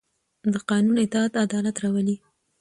د قانون اطاعت عدالت راولي